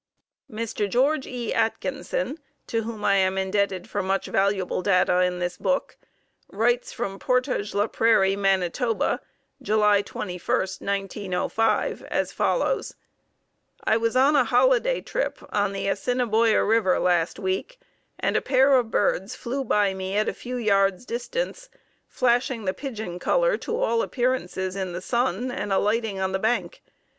_ Mr. George E. Atkinson, to whom I am indebted for much valuable data in this book, writes from Portage La Prairie, Manitoba, July 21, 1905, as follows: I was on a holiday trip on the Assiniboia River last week, and a pair of birds flew by me at a few yards' distance, flashing the pigeon color to all appearances in the sun and alighting on the bank.